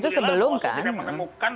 dan apabila maksudnya menemukan